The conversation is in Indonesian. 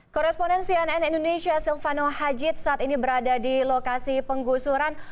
koresponen cnn indonesia silvano hajid saat ini berada di lokasi penggusuran